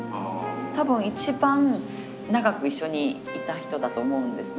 多分一番長く一緒にいた人だと思うんですね。